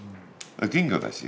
金魚だし。